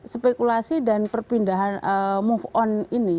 spekulasi dan perpindahan move on ini